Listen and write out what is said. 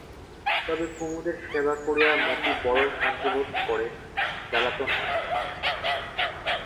তবে কুমুদের সেবা করিয়া মতি বড় শ্রান্তিবোধ করে, জ্বালাতন হয়।